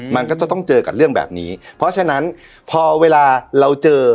มันก็จะต้องเจอกับเรื่องแบบนี้เพราะฉะนั้นพอเวลาเราเจอ